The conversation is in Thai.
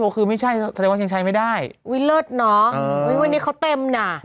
คือไม่ใช่แสดงว่ายังใช้ไม่ได้อุ้ยเลิศเนอะอุ้ยวันนี้เขาเต็มน่ะ